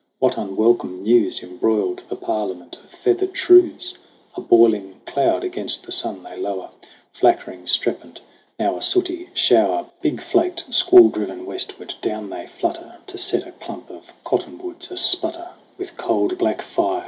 What unwelcome news Embroiled the parliament of feathered shrews ? A boiling cloud against the sun they lower, Flackering strepent; now a sooty shower, Big flaked, squall driven westward, down they flutter To set a clump of cottonwoods a sputter 74 SONG OF HUGH GLASS With cold black fire